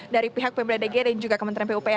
dari pihak pmbdg dan juga kementerian pupr ya pak ya